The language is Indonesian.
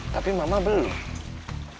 tapi mama belum